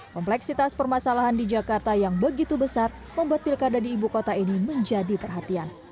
kompleksitas permasalahan di jakarta yang begitu besar membuat pilkada di ibu kota ini menjadi perhatian